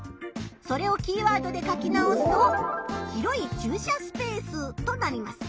それをキーワードで書き直すと「広い駐車スペース」となります。